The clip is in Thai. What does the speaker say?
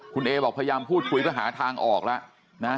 คุณเอบอกพยายามพูดคุยก็หาทางออกละนะ